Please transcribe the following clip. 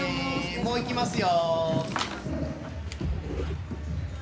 もういきますよ